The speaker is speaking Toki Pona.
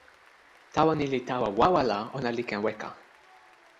tawa ni li tawa wawa la, ona li ken weka.